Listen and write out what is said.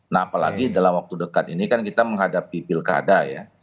nah apalagi dalam waktu dekat ini kan kita menghadapi pilkada ya